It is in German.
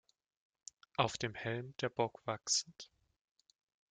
Auf dem Helm der Bock wachsend.